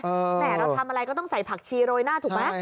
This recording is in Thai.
แหมเราทำอะไรก็ต้องใส่ผักชีโรยหน้าถูกไหม